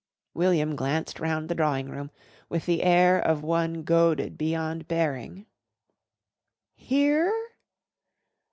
William glanced round the drawing room with the air of one goaded beyond bearing. "Here?"